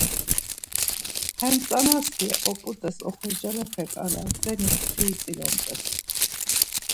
Hem tzanasti oput̆eş oxorcalepe-ǩala zenis ntxiri tzilomt̆es.